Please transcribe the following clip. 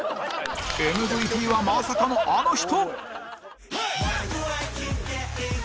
ＭＶＰ はまさかのあの人！